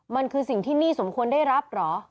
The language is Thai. มันคือสิ่งที่หนี้สมควรได้รับเหรอ